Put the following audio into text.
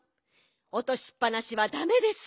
おとしっぱなしはだめです。